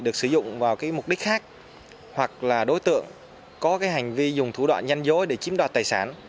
được sử dụng vào cái mục đích khác hoặc là đối tượng có cái hành vi dùng thủ đoạn nhanh giới để chiếm đoạt tài sản